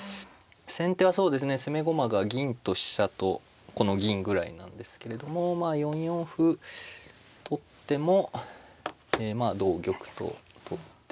先手は攻め駒が銀と飛車とこの銀ぐらいなんですけれども４四歩取ってもまあ同玉と取って。